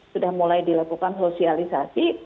sudah mulai dilakukan sosialisasi